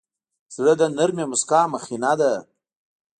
زړه د نرمې موسکا مخینه ده.